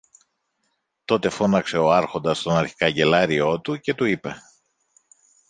Τότε φώναξε ο Άρχοντας τον αρχικαγκελάριό του και του είπε